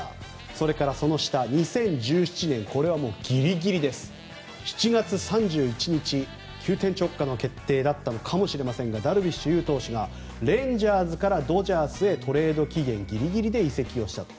それからその下、２０１７年これはギリギリです７月３１日、急転直下の決定だったのかもしれませんがダルビッシュ有投手がレンジャーズからドジャースへトレード期限ギリギリで移籍をしたと。